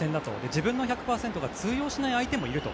自分の１００％が通用しない相手もいると。